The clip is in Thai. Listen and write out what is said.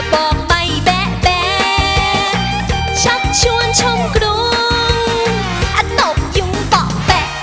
อ่ะบอกไม่แบะแบะชัดชวนชมกรุงอ่ะตบยุ่งบอกแบะ